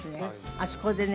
あそこでね